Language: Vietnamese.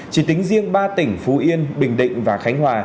chỉ tính riêng ba tỉnh phú yên bình định và khánh hòa